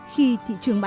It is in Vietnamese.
khi thị trường bán